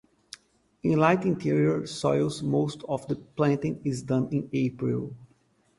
In light interior soils most of the planting is done in April.